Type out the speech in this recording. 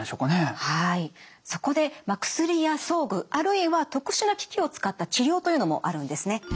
そこで薬や装具あるいは特殊な機器を使った治療というのもあるんですね。